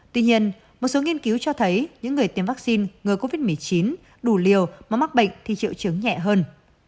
tuy nhiên một số nghiên cứu cho thấy những người tiêm vaccine ngừa covid một mươi chín đủ liều mà mắc bệnh thì triệu chứng nhẹ hơn